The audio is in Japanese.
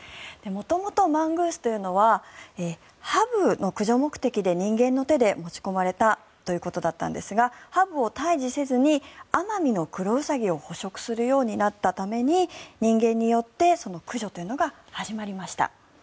元々、マングースというのはハブの駆除目的で人間の手で持ち込まれたということだったんですがハブを退治せずにアマミノクロウサギを捕食するようになったために人間によってその駆除というのが始まりました。